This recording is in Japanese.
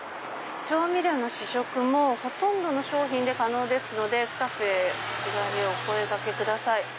「調味料の試食もほとんどの商品で可能ですのでスタッフへ気軽にお声掛けください」。